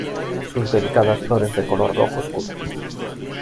Sus delicadas flores de color rojo oscuro.